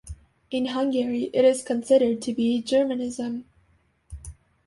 In Hungary it is considered to be a Germanism.